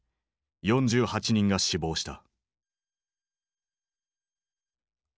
４８人が死亡した。